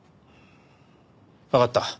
わかった。